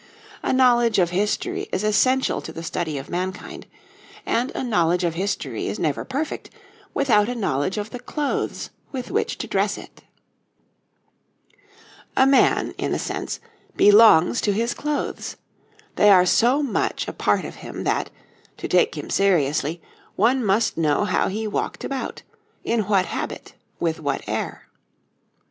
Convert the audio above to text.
A knowledge of history is essential to the study of mankind, and a knowledge of history is never perfect without a knowledge of the clothes with which to dress it. A man, in a sense, belongs to his clothes; they are so much a part of him that, to take him seriously, one must know how he walked about, in what habit, with what air.